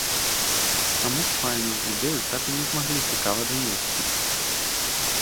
Чаму ж файную ідэю так і не змаглі цікава данесці?